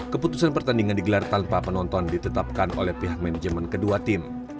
keputusan pertandingan digelar tanpa penonton ditetapkan oleh pihak manajemen kedua tim